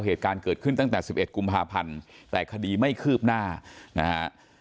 เหตุการณ์เกิดขึ้นตั้งแต่๑๑กุมภาพันธ์แต่คดีไม่คืบหน้านะฮะ